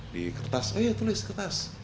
di kertas ayo tulis kertas